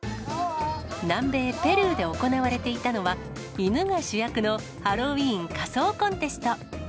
南米ペルーで行われていたのは、犬が主役のハロウィーン仮装コンテスト。